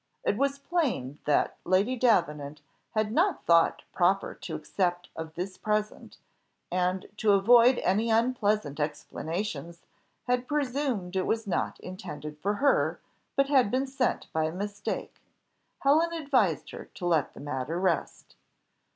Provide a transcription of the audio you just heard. It was plain that Lady Davenant had not thought proper to accept of this present, and to avoid any unpleasant explanations, had presumed it was not intended for her, but had been sent by mistake. Helen advised her to let the matter rest.